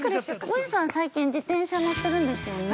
◆もえさん、最近自転車乗ってるんですよね。